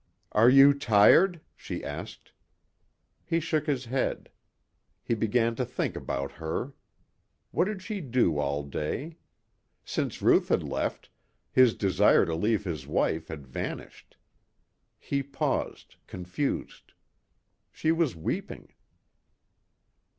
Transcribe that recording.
"Are you tired?" she asked. He shook his head. He began to think about her. What did she do all day? Since Ruth had left, his desire to leave his wife had vanished. He paused, confused. She was weeping.